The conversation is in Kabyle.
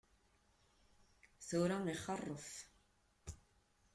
Tura ixeṛṛef.